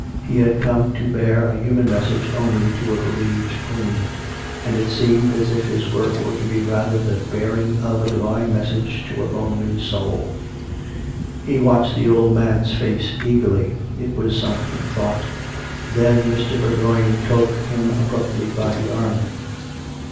He had come to bear a 300 COME RACK! COME ROPE! human message only to a bereaved Queen; and it seemed as if his work were to be rather the bearing of a Divine message to a lonely soul. He watched the old man's face eagerly. It was sunk in thought. ... Then Mr. Bour goign took him abruptly by the arm.